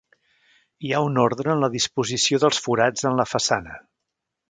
Hi ha un ordre en la disposició dels forats en la façana.